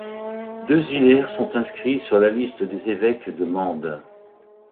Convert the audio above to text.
Deux Hilaire sont inscrits sur la liste des évêques de Mende.